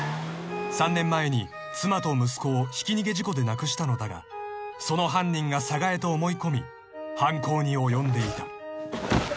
［３年前に妻と息子をひき逃げ事故で亡くしたのだがその犯人が寒河江と思い込み犯行に及んでいた］